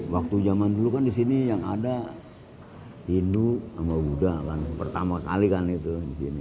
waktu zaman dulu kan di sini yang ada hindu sama buddha kan pertama kali kan itu di sini